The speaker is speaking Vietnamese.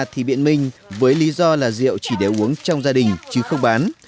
thì biện minh với lý do là rượu chỉ để uống trong gia đình chứ không bán